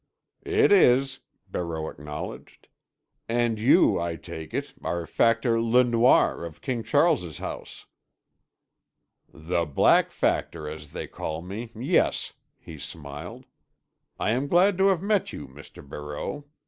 "It is," Barreau acknowledged. "And you, I take it, are Factor Le Noir of King Charles' House." "The Black Factor, as they call me—yes," he smiled. "I am glad to have met you, Mr. Barreau.